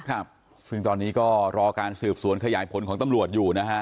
ครับซึ่งตอนนี้ก็รอการสืบสวนขยายผลของตำรวจอยู่นะฮะ